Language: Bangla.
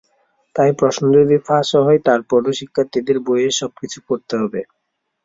তাই প্রশ্ন যদি ফাঁসও হয়, তার পরও শিক্ষার্থীদের বইয়ের সবকিছু পড়তে হবে।